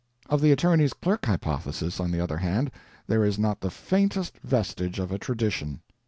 Of the attorney's clerk hypothesis, on the other hand, there is not the faintest vestige of a tradition.